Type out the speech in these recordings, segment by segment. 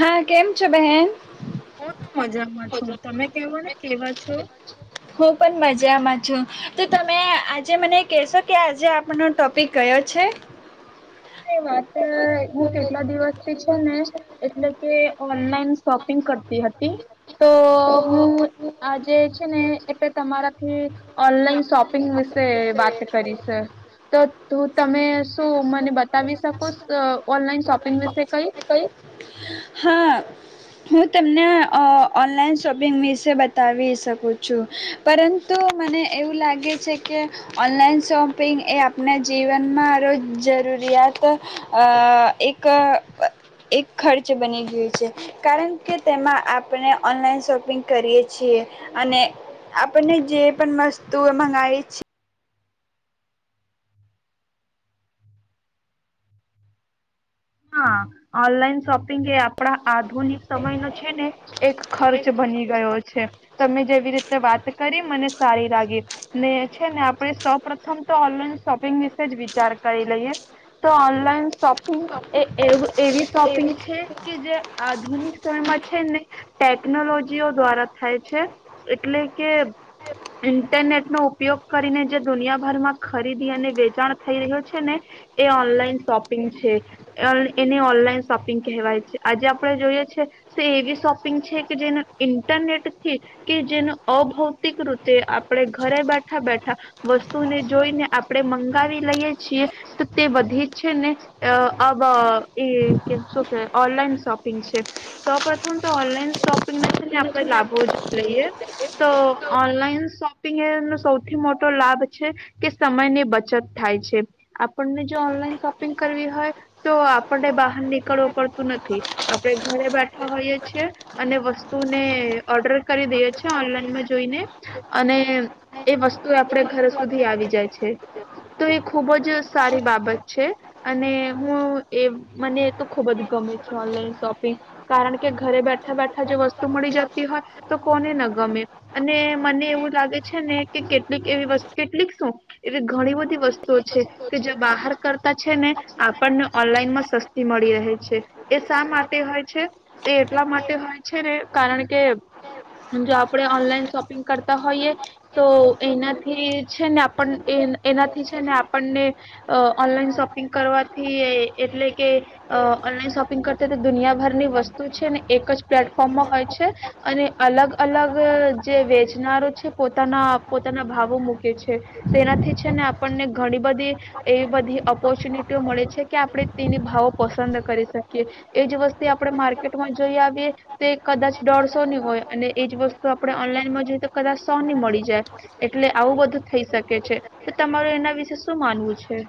હા કેમ છો બહેન. હું તો મજામાં છું તમે કેવા ને કેવા છો. હું પણ મજામાં છું તો તમે આજે મને કહેશો કે આજે આપનો ટોપિક કયો છે. એ વાત હું કેટલા દિવસથી છે. એટલે કે ઓનલાઈન શોપિંગ કરતી હતી તો હું આજે છે ને એટલે તમારાથી. ઓનલાઈન શોપિંગ વિશે વાત કરી છ, તો તું તમે શું મને બ બતાવી શકો ઓનલાઈન શોપિંગ વિશે કંઈ? હા હું તને ઓનલાઈન શોપિંગ વિશે બતાવી શકું છું, પરંતુ મને. એવું લાગે છે કે ઓનલાઈન શોપિંગ એ આપણા જીવનમાં ર જરૂરિયાત એક એક ખર્ચ બની ગયું છે, કારણ કે તેમાં આપણે ઓનલાઈન શોપિંગ કરીએ છીએ, અને આપણને જે પણ મસ્ત. તું એ મંગાવાઈ જ છે. હા, ઓનલાઈન શોપિંગ એ આપણા આધુનિક સમયનો છે ને એક ખર્ચ બની ગયો છે. તમે જેવી રીતે વાત કરી, મને સારી લાગી ને છે. ને આપણે સૌપથમ તો ઓનલાઈન શોપિંગ વિશે જ વિચાર કરી લઈએ તો. Online shopping. એ એવી શોપિંગ છે કે જે આધુનિક સમયમાં છે ને ટેકનોલોજીઓ દ્વારા થાય છે એટલે કે ઇન્ટરનેટ નો ઉપયોગ કરીને જે દુનિયાભરમાં ખરીદી અને વેચાણ થઈ રહ્યું છેને એ ઓનલાઈન શોપિંગ છે. એને ઓનલાઈન શોપિંગ કહેવાય છે. આજે આપણે જોઈએ છીએ તો એવી શોપિંગ છે કે જેનું ઇન્ટરનેટ થી કે જેનું અભૌતિક રીતે આપણે ઘરે બેઠા બેઠા વસ્તુને જોઈને આપણે મંગાવી લઈએ છીએ, તો તે વધી છે ને. અવ કે ઓનલાઈન શોપિંગ છે. સૌપથમ તો ઓનલાઈન શોપિંગને છે ને આપણે લાભો લઈએ તો ઓનલાઈન શોપિંગ એનો સૌથી મોટો લાભ છે કે સમયની બચત થાય છે. આપણને જો ઓનલાઈન શોપિંગ કરવી હોય. તો આપણને બહાર નીકળવું પડતું નથી, આપણે ઘરે બેઠા હોઈએ છેીએ અને વસ્તુને ઓર્ડર કરી દઈએ છીએ ઓનલાઈનમાં જોઈને, અને એ વસ્તુ આપણે ઘર સુધી આવી જાય છે, તો એ ખુબ જ સારી બાબત છે. અને. હું એ મને તો ખુબ જ ગમે છે ઓનલાઈન શોપિંગ, કારણ કે ઘરે બેઠા બેઠા જો વસ્તુ મળી જતી હોય તો કોને ન ગમે? અને મને એવું લાગે છે ને કે કેટલીક એવી, કેટલીક શું એવી ઘણી બધી વસ્તુ. કે જે બહાર કરતા છે ને. આપણને ઓનલાઈન માં સસ્તી મળે. છે. એ શા માટે હોય છે? એ એમના માટે હોય છે ને, કારણ કે જો આપણે ઓનલાઈન શોપિંગ કરતા હોઈએ તો એનાથી છે ને આપ એનાથી છે ને આપણને ઓનલાઈન શોપિંગ કરવા. એટલે કે ઓનલાઈન શોપિંગ કરતા તો દુનિયાભર ની વસ્તુ છે ને. એક જ પ્લેટફોર્મમાં હોય છે. અને અલગ- અલગ જે વેચનારો છે, પોતાના પોતાના ભાવો મૂકે છે, તેનાથી છે ને આપણને ઘણી બધી એવી બધી ઓપોર્ચ્યુનિટી. મળે છે કે, આપણે તેની ભાવો પસંદ કરી શકીએ એજ વસ્તુ આપણે માર્કેટમાં જોઈ આવીએ તો કદાચ દોઢસો ની હોય અને એજ વસ્તુ આપણે ઓનલાઈનમાં જોઈ તો કદાચ સો ની મળી જાય, એટલે આવું બધું થઈ શકે છે તો તમારું એના વિશે શું માનવું છે?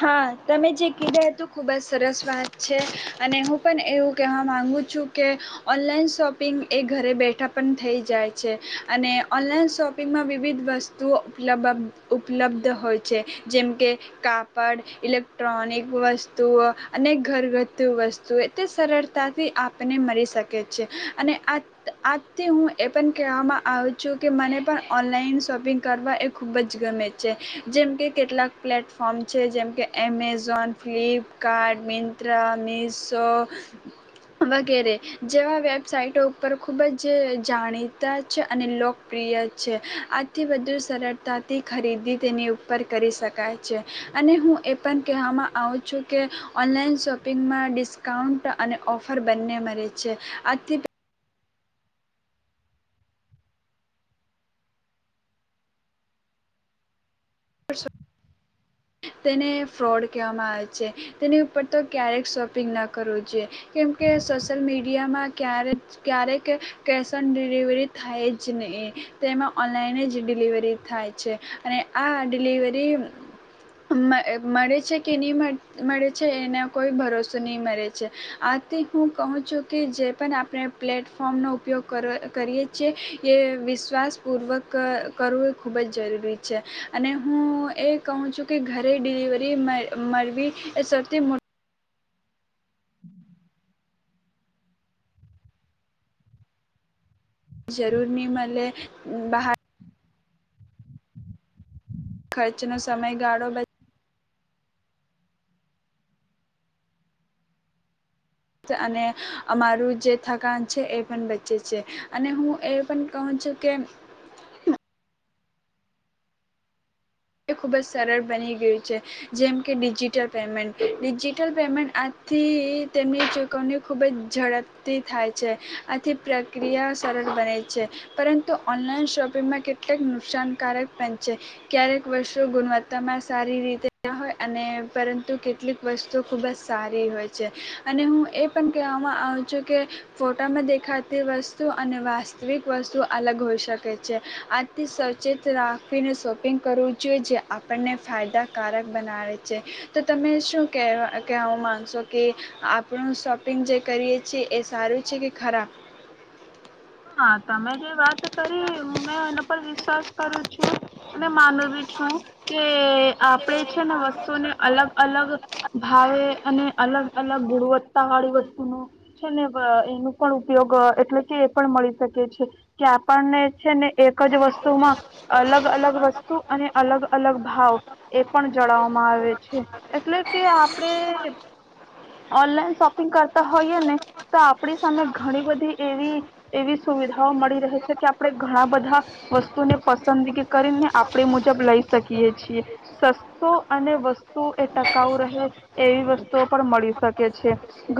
હા, તમે જે કીધા હતું ખૂબ જ સરસ વાત છે, અને હું પણ એવું કહેવા માગુ છું કે ઓનલાઈન શોપિંગ એ ઘરે બેઠા પણ થઈ જાય છે અને ઓનલાઈન શોપિંગમાં વિવિધ વસ્તુઓ ઉપલબબ ઉપલબ્ધ હોય છે, જેમ કે કાપ. પણ ઇલેક્ટ્રોનિક વસ્તુઓ અને ઘરગથ્થુ વસ્તુઓ એ તે સરળતાથી આપને મળી શકે છે, અને આજથી હું એ પણ કહેવામાં આવું છું કે મને પણ ઓનલાઈન શોપિંગ કરવા એ ખૂબ જ ગમે છે, જેમ કે કેટલાક પ્લેટફોર્મ. છે જેમકે એમેઝોન, ફ્લિપકાર્ટ, મિંત્રા, મીસો, વગેરે જેવા વેબસાઇટો ઉપર ખૂબ જ જાણીતા છે અને લોકપ્રિય છે. આથી વધુ સરળતાથી ખરીદી તેની ઉપર કરી શકાય છે. અને હું એ પણ કહેવામાં આવું છું કે ઓનલાઈન શોપિંગમાં ડિસ્કાઉન્ટ અને ઓફર બંને મળે છે, આજથી. તેને ફ્રોડ કહેવામાં આવે છે, તેની ઉપર તો ક્યારેક શોપિંગ ના કરવું જોઈએ, કેમકે સોશિયલ મીડિયામાં ક્યારે ક્યારેક કેશ ઓન ડિલિવરી થાય જ નહીં, તેમાં ઓનલાઈન જ ડિલિવરી થાય છે, અને આ ડિલિવરી. [unintelligible] મળે છે કે ની મળે છે એને કોઈ ભરોસો નહીં મળે છે, આથી હું કહું છું કે જે પણ આપણે પ્લેટફોર્મનો ઉપ ઉપયોગો કરીએ છીએ એ વિશ્વાસપૂર્વક ક કરવું એ ખૂબ જ જરૂરી છે અને હું એ કહું છું કે ઘરે ડીલીવરી મળ મલવી એ સૌથી મોટ જરૂર ની મલે બહાર ખર્ચનો સમય ગાળો બચ અને અમારું જે થકાન છે, એ પણ બચે છે અને હું એ પણ કહું છું કે ખૂબ જ સરળ બની ગયું છે, જેમ કે ડિજિટલ પેમેન્ટ ડિજિટલ પેમેન્ટ આથી તેમની ચૂકવણી ખૂબ જ ઝડપથી થાય છે, આથી પ્રક્રિયા સરળ બને છે પરંતુ ઓનલાઈન શોપિંગમાં કેટલાક નુકસાનકારક પણ છે, ક્યારેક વસુ ગુણવત્તામાં સારી રીતે હોય અને પરંતુ કેટલીક વસ્તુઓ ખૂબ જ સારી હોય છે અને હું એ પણ કહેવામાં આવું છું કે ફોટામાં દેખાતી વસ્તુ અને વાસ્તવિક વસ્તુ અલગ હોઈ શકે છે, આથી સચેત રાખવીને શોપિંગ કરવું જયોજ આપણને ફાયદાકારક બનાવે છે, તો તમે શું ક કહ કહેવા માગશો કે આપણું શોપિંગ જે કરીએ છીએ એ સારું છે કે ખરાબ? હા, તમે જે વાત કરી મેં એના પર વિશ્વાસ કરું છુ અને માનવી છું, કે આપડે છે ને વસ્તુને અલગ, અલગ ભાવે અને અલગ, અલગ ગુણવત્તાવાળી વસ્તુનો છેને અ એનું પણ ઉપયોગ એટલે કે પણ મળી શકે છે, કે આપણને છે ને એક જ વસ્તુમાં અલગ, અલગ વસ્તુ અને અલગ, અલગ ભાવ એ પણ જણાવવામાં આવે છે, એટલે કે આપણે ઓનલાઈન શોપિંગ કરતા હોઈય, ને તો આપણી સામે ઘણી બધી એવી એવી સુવિધાઓ મળી રહે છે, કે આપણે ઘણા બધા વસ્તુને પસંદગી કરીને આપણે એ મુજબ લઈ શકીએ છીએ. સસ્તો અને વસ્તુ એ ટકાઉ રહે એવી વસ્તુઓ પણ મળી શકે છે.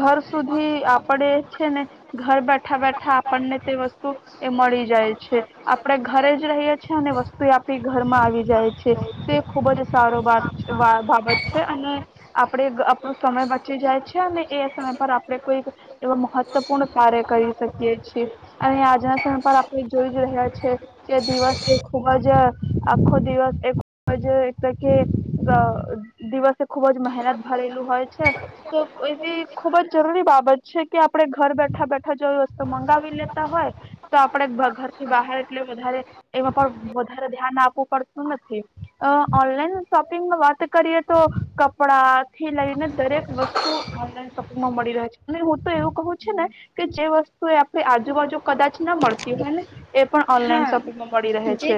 ઘર સુધી આપડે છે ને ઘર બેઠા બેઠા તે વસ્તુ એ મળી જાય છે, આપણે ઘરે જ રહીએ છેએ અને વસ્તુ આપી ઘરમાં આવી જાય છે, તે ખુબ જ સારો બાગ બાબત છે અને આપણે આપણો સમય બચી જાય છે અને સમય પર આપણે કોઈ એવ મહત્વપૂર્ણ કાર્ય કરી શકીએ છીએ. એ અને આજના સમય આપણે જોઈ જ રહ્યા છે કે દિવસ ખુબ જ આખો દિવસ એ ખુબજ એટલે કે દિવસે ખુબ જ મહેનત ભરેલું હોય છે તો એવી ખુબ જ જરૂરી બાબત છે, કે આપડે ઘર બેઠા, બેઠા જો વસ્તુ મંગા [unintelligible] હોય તો આપડે ઘરથી બહાર એટ વધારે એમાં પણ વધારે ધ્યાન આપવું પડતું નથી અ ઓનલાઈન શોપિંગ વાત કરીએ તો કપડા થી લઈને દરેક વસ્તુ ઓનલાન શોપિંગમાં મળી રહે છે, અને હું તો એવું ક છ ને કે જે વસ્તુ તે આજુબાજુ કદાચ ના મળતી હોય ને. એ પણ ઓનલાઈન હા શોપિંગમાં મળી રહે જે છે.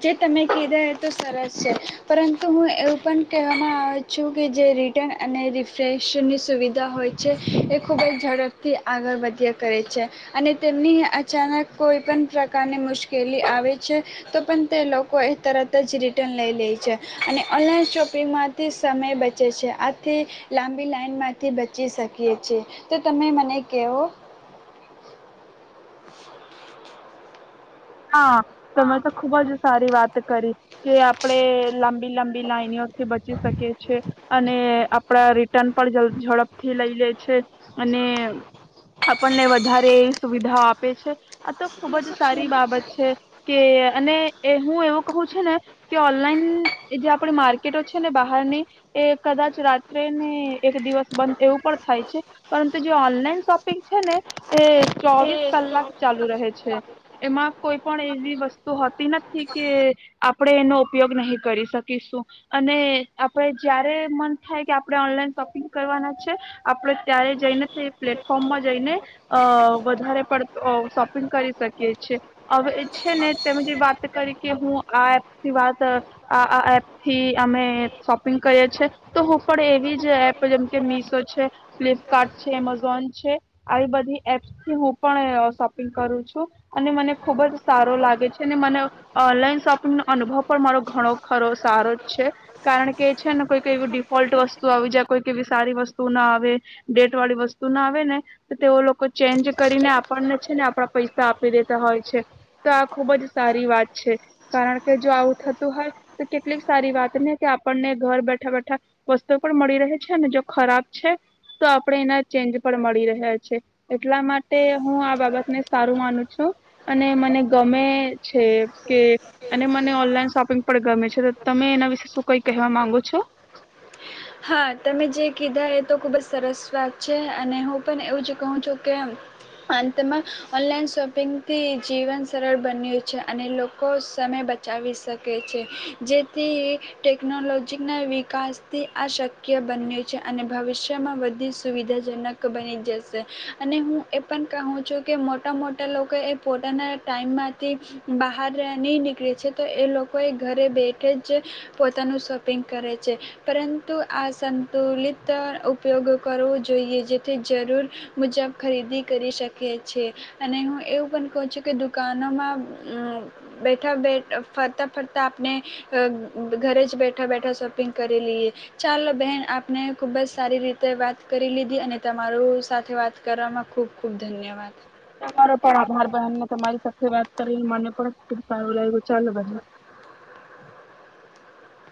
જે તમે કીધા એ તો સરસ છે, પરંતુ હું એવું પણ કહેવામાં આવે છું કે જે રિટર્ન અને રિફ્રેશની સુવિધા હોય છે એ ખૂબ જ ઝડપથી આગળ વધ્યા કરે છે અને તેમની અચાનક કોઈ પણ પ્રકારની મુશ્કેલી આવે છે, તો પણ તે લોકો એ તરત જ રિટર્ન લઈ લે છે અને ઓનલાઈન શોપિંગમાંથી સમય બચે છે આથી લાંબી લાઈનમાંથી બચી શકીએ છે, તો તમે મને કવો. [inaudible] હા તમે તો ખુબ જ સારી વાત કરી કે આપડે લાંબી લાંબી લાાઈનોઓથી બચી શકીએ છે, અને આપણા રિટર્ન પણ ઝડપથી લઈ લે છે અને આપણને વધારે સુવિધાઓ આપે છે. આ તો ખુબ જ સારી બાબત છે કે અને એ હું એવું કું છ ને કે ઓનલાઈન જે આ પણ માર્કેટો છે ને બહારની એ કદાચ રાત્રે ને એક દિવસ બંધ એવું પણ થાય છે, પરંતુ જે ઓનલાઈન શોપિંગ છે ને એ ચોવીસ કલાક ચાલુ રહે છે એમાં કોઈ પણ એવી વસ્તુ હોતી નથી કે આપણે એનો ઉપયોગ નહી કરી શકીશું, અને આપણે જારે મન થાય કે આપણે ઓનલાઈન શોપિંગ કરવાના છે આપણે ત્યારે જઈને તે પ્લેટફોર્મમાં જઈને અ વધારે પડતો અ શોપિંગ કરી શકીએ છીએ. હવે છે ને તેમ જે વાત કરી કે હું આ એપથી વાત આ એપથી અમે શોપિંગ કરીએ છ છેએ તો હું પણ એવી જ એપ જેમ કે મીશો છે, ફ્લિપકાર્ટ છે, એમેઝોન છે આવી બધી એપ્થી હું પણ શોપિંગ કરું છું, અને મને ખુબ જ સારો લાગે છે, ને મને ઓનલાઈન શોપિંગનોો અનુભવ પણ મારો ઘણો ખરો સારો જ છે કારણ કે છે ને કોઈકઈ એવી ડિફોલ્ટ વસ્તુ આવી જાય કોઈક એવી સારી વસ્તુ ના આવે ડેટ વાળી વસ્તુ ના આવે ને તો તેઓ લોકો ચેન્જ કરીને આપણને છે ને આપણા પૈસા આપી દેતા હોય. છે તો આ ખુબ જ સારી વાત છે, કારણ કે જો આવું થતું હોય તો કેટલીક સારી વાત ને કે આપણને ઘર બેઠા બેઠા વસ્તુ પણ મળી રહે છે ને જો ખરાબ છે, તો આપણે એના ચેન્જ પણ મળી રહ્યા છે, એટલા માટે હું આ બાબતને સારું માનું છું. અને મને ગમે છે. કે અને મને ઓનલાઈન શોપિંગ પણ ગમે છે, તો તમે એના વિશે શું કઈ કહેવા માંગો છો. હા તમે જે કીધા એ તો ખૂબ જ સરસ વાત છે અને હું પણ એવું જ કહું છું કે અંતમાં ઓનલાઈન શોપિંગથી જીવન સરળ બન્યું છે, અને લોકો સમય બચાવી શકે છે, જેથી ટેકનોલોજીના વિકાસથી. આ શક્ય બન્યું છે અને ભવિષ્યમાં બધી સુવિધાજનક બની જશે અને હું એ પણ કહું છું કે મોટા મોટા લોકો એ પોતાના ટાઈમમાંથી બહાર નહીં નીકળે છે તો એ લોકોએ ઘરે બેઠે જ પોતાનું શોપિંગ કરે છે, પરં. તો અ સંતુલિત ઉપયોગ કરવો જોઈએ જેથી જરૂર મુજબ ખરીદી કરી શકીએ છેએ અને હું એવું પણ કહું છું કે દુકાનોમાં બેઠા બેઠ ફરતાં ફરતાં આપણે ઘરે જ બેઠા બેઠા શોપિંગ કરી લઈએ. ચાલો બેહેન આપને ખુબજ સારી રીતે વાત, કરી લીધી અને તમારું સાથે વાત કરવામાં ખુબ, ખુબ ધન્યવાદ. તમારો પણ આભાર બહેન ને તમારી સાથે વાત, કરીને મને પણ ખુબ સારું લાગ્યું ચાલો બહે.